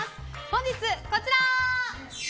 本日は、こちら。